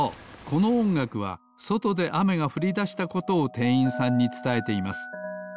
このおんがくはそとであめがふりだしたことをてんいんさんにつたえています。